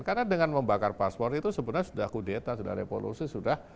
karena dengan membakar paspor itu sebenarnya sudah kudeta sudah repulusi sudah